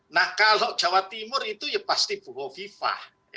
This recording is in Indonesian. nah kalau jawa timur itu ya pasti buho viva